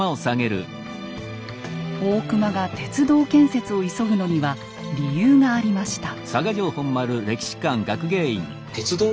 大隈が鉄道建設を急ぐのには理由がありました。